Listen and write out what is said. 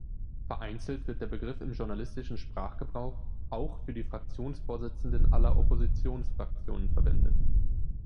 Vereinzelt wird der Begriff im journalistischen Sprachgebrauch auch für die Fraktionsvorsitzenden aller Oppositionsfraktionen verwendet.